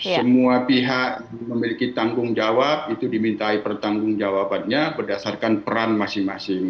semua pihak memiliki tanggung jawab itu dimintai pertanggung jawabannya berdasarkan peran masing masing